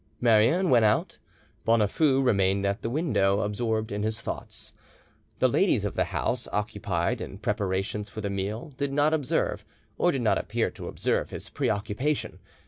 Marouin went out. Bonafoux remained at the window, absorbed in his thoughts. The ladies of the house, occupied in preparations for the meal, did not observe, or did not appear to observe, his preoccupation.